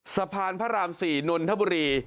สะพานพระราม๔นนทบุรี